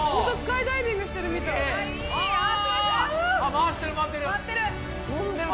回ってる回ってる。